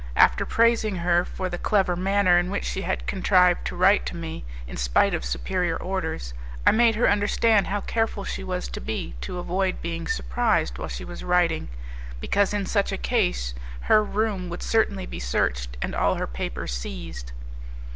After praising her for the clever manner in which she had contrived to write to me, in spite of superior orders, I made her understand how careful she was to be to avoid being surprised while she was writing, because in such a case her room would certainly be searched and all her papers seized.